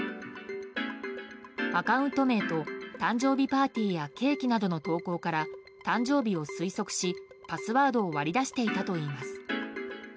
アカウント名と誕生日パーティーやケーキなどの投稿から誕生日を推測しパスワードを割り出していたといいます。